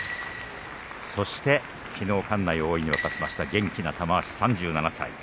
そして、きのう館内を大いに沸かせました元気な玉鷲３７歳。